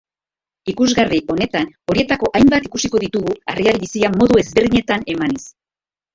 Ikusgarri honetan horietako hainbat ikusiko ditugu harriari bizia modu ezberdinetan emanez.